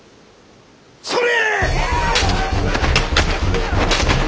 それ！